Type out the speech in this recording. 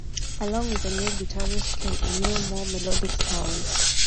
Along with a new guitarist came a new, more melodic sound.